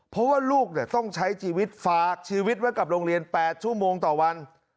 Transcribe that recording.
เพราะว่าลูกต้องใช้ชีวิตฝากชีวิตไว้กับโรงเรียน๘ชั่วโมงต่อวัน